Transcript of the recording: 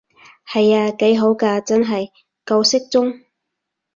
係啊，幾好㗎真係，夠適中